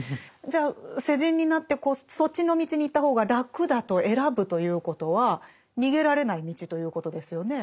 じゃあ世人になってこうそっちの道に行った方が楽だと選ぶということは逃げられない道ということですよね？